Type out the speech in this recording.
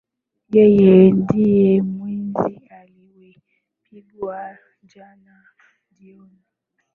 Yeye ndiye mwizi aliyepigwa jana jioni.